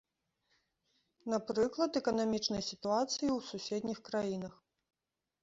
Напрыклад, эканамічнай сітуацыі ў суседніх краінах.